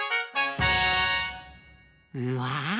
うわ！